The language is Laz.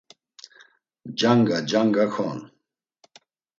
Canga canga kon.